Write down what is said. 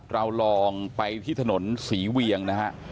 เราลองไปที่ถนนศรีเวียงนะฮะ